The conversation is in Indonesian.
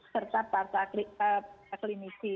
serta para klinisi